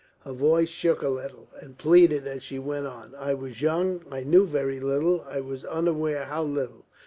Her voice shook a little, and pleaded as she went on: "I was young. I knew very little. I was unaware how little.